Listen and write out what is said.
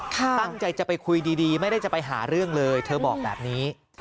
ตั้งใจจะไปคุยดีไม่ได้จะไปหาเรื่องเลยเธอบอกแบบนี้